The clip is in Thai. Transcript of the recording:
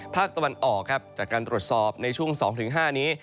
ภาคตะวันออกครับจากการตรวจสอบในช่วง๒๕นี้